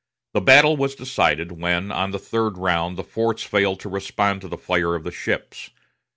The battle was decided when, on the third round, the forts failed to respond to the fire of the ships.